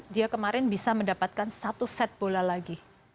dia kemarin bisa mendapatkan satu set bola lagi